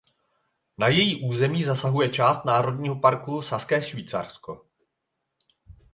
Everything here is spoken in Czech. Na její území zasahuje část národního parku Saské Švýcarsko.